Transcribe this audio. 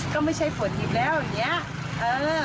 ก็ไม่ใช่ฝนหิบแล้วอย่างนี้